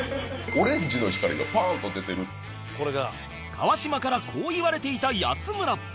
川島からこう言われていた安村